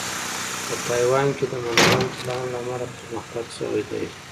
په تایوان کې د منظم پلان له امله پرمختګ شوی دی.